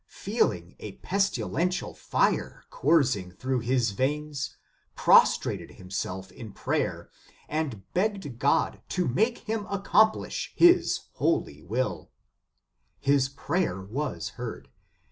151 feeling a pestilential fire coursing through his veins, prostrated himself in prayer, and beo CTed God to make him accomplish His &o L holy will. His prayer was heard.